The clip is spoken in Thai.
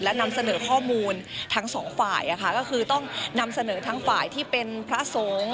และนำเสนอข้อมูลทั้งสองฝ่ายก็คือต้องนำเสนอทั้งฝ่ายที่เป็นพระสงฆ์